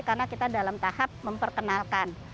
karena kita dalam tahap memperkenalkan